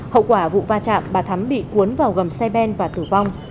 hậu quả vụ va chạm bà thắm bị cuốn vào gầm xe ben và tử vong